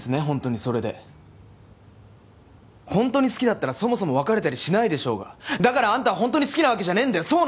本当にそれで本当に好きだったらそもそも別れたりしないでしょうがだからはあんたは本当に好きなわけじゃねえんだよ！